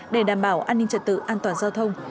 để đảm bảo an ninh trật tự an toàn giao thông